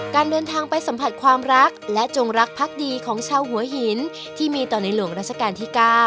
การเดินทางไปสัมผัสความรักและจงรักพักดีของชาวหัวหินที่มีต่อในหลวงราชการที่๙